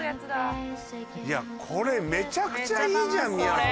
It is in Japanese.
いやこれめちゃくちゃいいじゃんみやぞん。